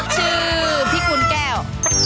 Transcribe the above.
ชื่อพี่คุณแก้ว